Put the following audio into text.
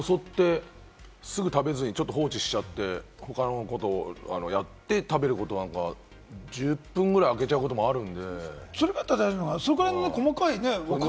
よそって、すぐ食べずに放置しちゃって、他のことをやって、食べることなんか、１０分ぐらいあけちゃうこともあるんで。